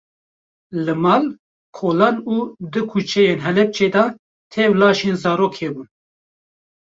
Li mal, kolan û di kuçeyên Helepçê de tev laşên zarok hebûn.